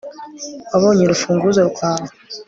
wabonye urufunguzo rwawe